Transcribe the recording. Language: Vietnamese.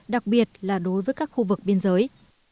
đặc biệt là đối với các khu vực biên giới